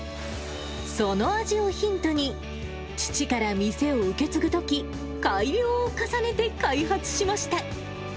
その味をヒントに、父から店を受け継ぐとき、改良を重ねて開発しました。